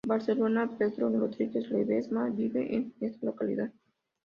Barcelona, Pedro Rodríguez Ledesma vive en esta localidad.